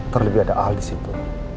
terlebih ada ahal disitu